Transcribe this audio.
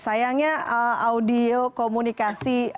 sayangnya audio komunikasi